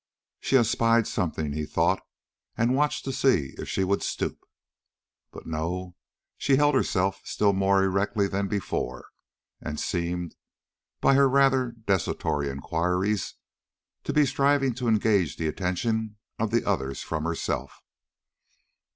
"She has spied something," he thought, and watched to see if she would stoop. But no, she held herself still more erectly than before, and seemed, by her rather desultory inquiries, to be striving to engage the attention of the others from herself.